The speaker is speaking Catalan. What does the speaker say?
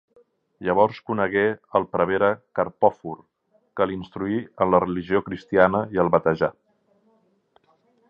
Llavors conegué el prevere Carpòfor, que l'instruí en la religió cristiana i el batejà.